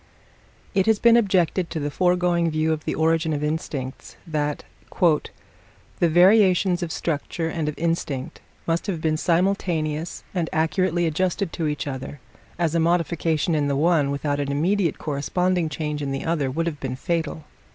_ It has been objected to the foregoing view of the origin of instincts that "the variations of structure and of instinct must have been simultaneous and accurately adjusted to each other, as a modification in the one without an immediate corresponding change in the other would have been fatal."